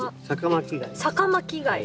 サカマキガイ。